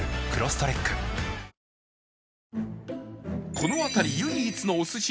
この辺り唯一のお寿司屋さん